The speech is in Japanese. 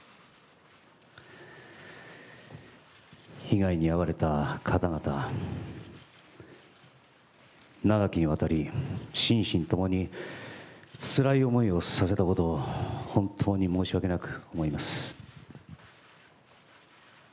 被害に遭われた方々、長きにわたり心身ともにつらい思いをさせたことを本当に申し訳なく思います。